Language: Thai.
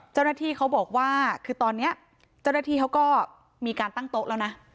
เจ้าหน้าที่เขาบอกว่าคือตอนนี้เจ้าหน้าที่เขาก็มีการตั้งโต๊ะแล้วนะ